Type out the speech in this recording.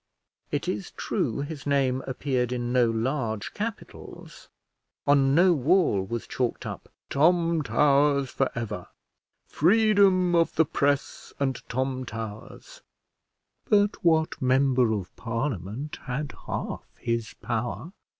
It is true his name appeared in no large capitals; on no wall was chalked up "Tom Towers for ever;" "Freedom of the Press and Tom Towers;" but what member of Parliament had half his power?